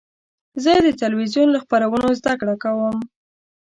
زه د تلویزیون له خپرونو زده کړه کوم.